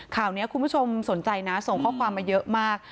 ข่าวนี้คุณผู้ชมสนใจนะส่งข้อความมาเยอะมาก